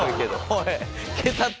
おい。